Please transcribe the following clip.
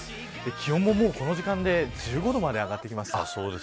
気温も、もうこの時間で１５度まで上がってきました。